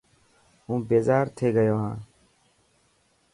هون بيزار ٿي گيو هان.